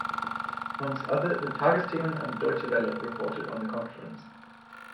Amongst other the Tagesthemen and the Deutsche Welle reported on the conference.